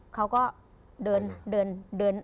เขาก็เดิน